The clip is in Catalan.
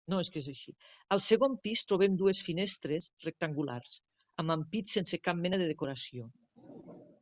Al segon pis trobem dues finestres rectangulars amb ampit sense cap mena de decoració.